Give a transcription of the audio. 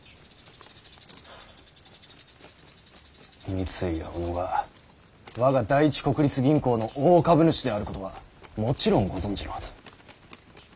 三井や小野が我が第一国立銀行の大株主であることはもちろんご存じのはず。